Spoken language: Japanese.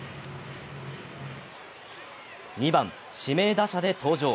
２番・指名打者で登場。